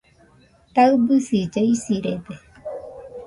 Taɨbisilla isirede